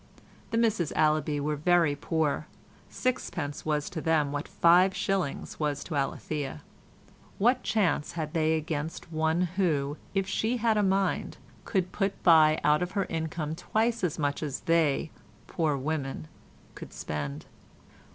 The Misses Allaby were very poor; sixpence was to them what five shillings was to Alethea. What chance had they against one who, if she had a mind, could put by out of her income twice as much as they, poor women, could spend?